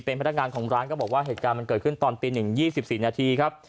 เป็นพนักงานของร้านก็บอกว่าเหตุการณ์มันเกิดขึ้นตอนปีหนึ่งยี่สิบสี่นาทีครับ